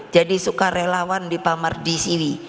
jadi suka relawan di pamar di siwi